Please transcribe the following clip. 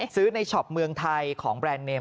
ซื้อในช็อปเมืองไทยของแบรนด์เนม